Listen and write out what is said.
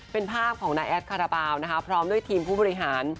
เป็นภาพของนายแอดคาราบาลนะคะพร้อมด้วยทีมผู้บริหาร